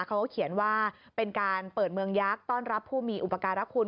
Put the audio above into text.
เขาก็เขียนว่าเป็นการเปิดเมืองยักษ์ต้อนรับผู้มีอุปการะคุณ